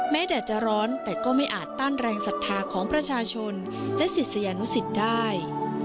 แดดจะร้อนแต่ก็ไม่อาจต้านแรงศรัทธาของประชาชนและศิษยานุสิตได้